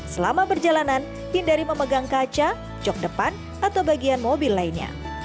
selama perjalanan hindari memegang kaca jok depan atau bagian mobil lainnya